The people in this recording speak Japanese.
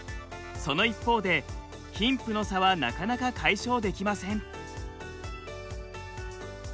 その一方で貧富の差はなかなか解消できません。